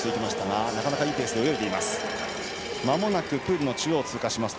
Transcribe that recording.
なかなかいいペースで泳いでいます。